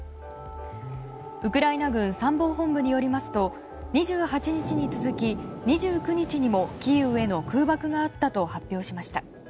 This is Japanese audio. ウクライナ軍参謀本部によりますと２８日に続き２９日にもキーウへの空爆があったと発表しました。